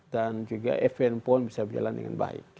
dan juga fn pon bisa berjalan dengan baik